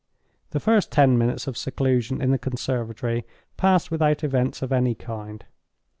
The first ten minutes of seclusion in the conservatory passed without events of any kind.